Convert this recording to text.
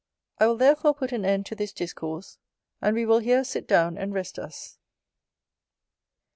I will therefore put an end to this discourse; and we will here sit down and rest us.